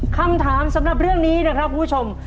คำถามสำหรับเรื่องนี้นะครับคุณผู้ชม